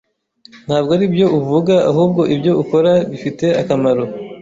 Ntabwo aribyo uvuga, ahubwo ibyo ukora bifite akamaro.